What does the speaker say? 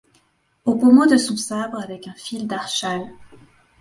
Au pommeau de son sabre avec un fil d'archal ;